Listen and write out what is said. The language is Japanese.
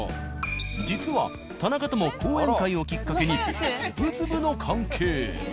実は田中とも講演会をきっかけにずぶずぶの関係。